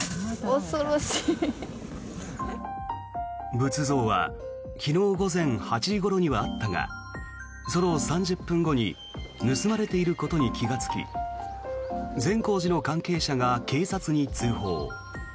仏像は昨日午前８時ごろにはあったがその３０分後に盗まれていることに気がつき善光寺の関係者が警察に通報。